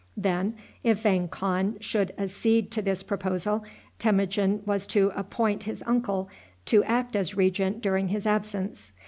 Then, if Vang Khan should accede to this proposal, Temujin was to appoint his uncle to act as regent during his absence.